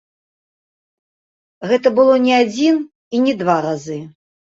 Гэта было не адзін і не два разы.